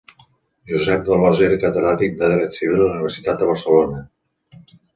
Josep d'Alòs era catedràtic de dret civil a la Universitat de Barcelona.